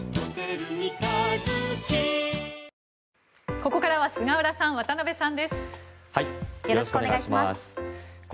ここからは菅原さん、渡辺さんです。